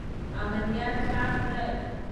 امنیت حق دی